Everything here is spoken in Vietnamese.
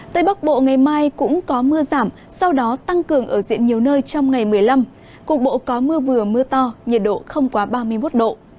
tây bắc bộ ngày mai cũng có mưa giảm sau đó tăng cường ở diện nhiều nơi trong ngày một mươi năm cục bộ có mưa vừa mưa to nhiệt độ không quá ba mươi một độ